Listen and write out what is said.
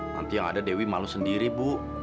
nanti yang ada dewi malu sendiri bu